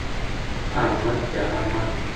احمد پیاله ماته کړه